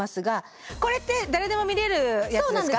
これって誰でも見れるやつですか？